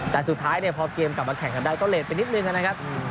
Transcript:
แต่สุดท้ายเนี่ยพอเกมกลับมาแข่งกันได้ก็เลสไปนิดนึงนะครับ